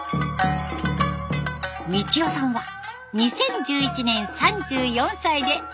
味千代さんは２０１１年３４歳で初高座。